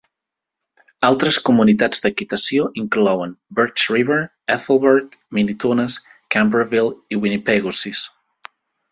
Altres comunitats d'equitació inclouen Birch River, Ethelbert, Minitonas, Camperville i Winnipegosis.